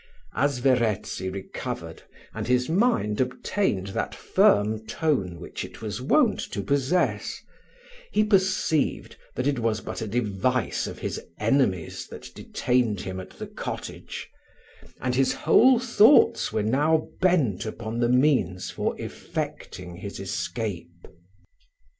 As Verezzi recovered, and his mind obtained that firm tone which it was wont to possess, he perceived that it was but a device of his enemies that detained him at the cottage, and his whole thoughts were now bent upon the means for effecting his escape.